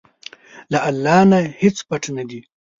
له الله نه هیڅ پټ نه دي.